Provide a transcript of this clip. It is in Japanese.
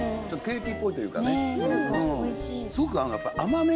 ちょっとケーキっぽいというかね。